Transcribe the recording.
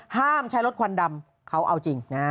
ห้ามใช้รถควันดำเขาเอาจริงนะ